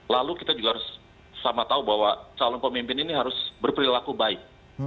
lalu kita juga harus sama tahu bahwa calon pemimpin ini harus berperilaku baik